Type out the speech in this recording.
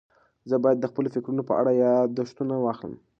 زه باید د خپلو فکرونو په اړه یاداښتونه واخلم.